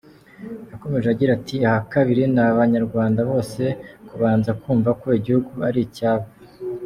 Yakomeje agira ati “Aha kabiri, ni Abanyarwanda bose kubanza kumva ko igihugu ari icyabo.